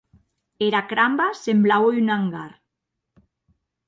Era cramba semblaue un angar.